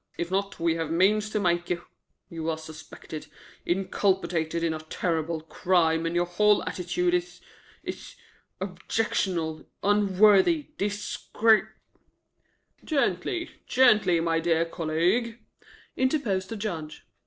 If not, we have means to make you. You are suspected, inculpated in a terrible crime, and your whole attitude is is objectionable unworthy disgr " "Gently, gently, my dear colleague," interposed the Judge.